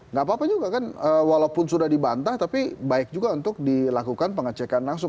nggak apa apa juga kan walaupun sudah dibantah tapi baik juga untuk dilakukan pengecekan langsung